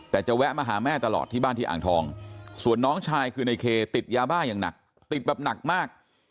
แต่จะแวะมาหาแม่ตลอดที่บ้านที่อ่างทองส่วนน้องชายคือในเคติดยาบ้าอย่างหนักติดแบบหนักมาก